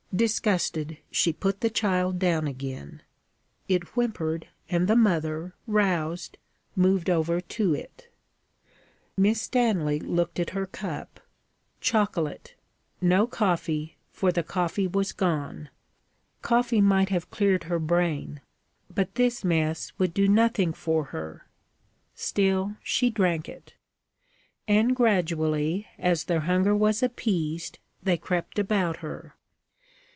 Disgusted, she put the child down again. It whimpered, and the mother, roused, moved over to it. Miss Stanley looked at her cup. Chocolate no coffee, for the coffee was gone. Coffee might have cleared her brain, but this mess would do nothing for her. Still, she drank it. And gradually, as their hunger was appeased, they crept about her.